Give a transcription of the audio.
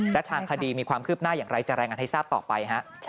และทางคดีมีความคืบหน้าอย่างไรจะรายงานให้ทราบต่อไป